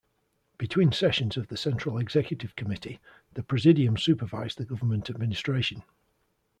Between sessions of the Central Executive Committee, the Presidium supervised the government administration.